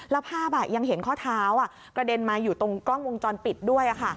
แล้วภาพยังเห็นข้อเท้ากระเด็นมาอยู่ตรงกล้องวงจรปิดด้วย